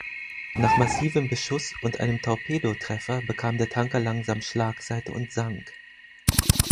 Nach massivem Beschuss und einem Torpedotreffer bekam der Tanker langsam Schlagseite und sank.